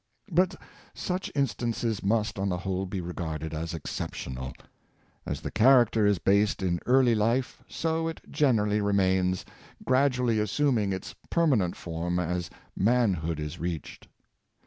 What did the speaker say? " But such instances must, on the whole, be regarded as exceptional. As the character is biased in early life, so it generally remains, gradually assuming its perma nent form as manhood is reached.